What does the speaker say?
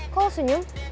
kok lo senyum